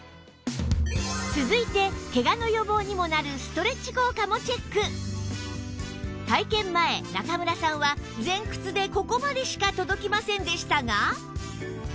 続いてケガの予防にもなる体験前中村さんは前屈でここまでしか届きませんでしたが